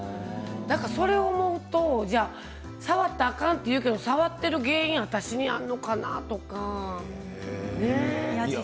それを思うと触ったらいけないと言うけれど触る原因は私にあるのかなとか。